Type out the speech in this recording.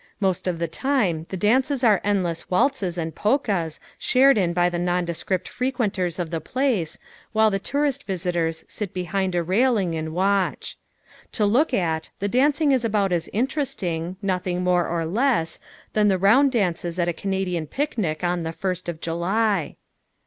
Most of the time the dances are endless waltzes and polkas shared in by the nondescript frequenters of the place, while the tourist visitors sit behind a railing and watch. To look at, the dancing is about as interesting, nothing more or less, than the round dances at a Canadian picnic on the first of July.